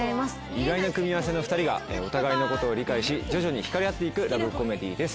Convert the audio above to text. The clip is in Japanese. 意外な組み合わせの２人がお互いのことを理解し徐々に引かれ合って行くラブコメディーです。